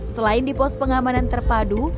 selain di pos pengamanan terpadu